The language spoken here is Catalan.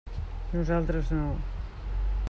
Nosaltres no.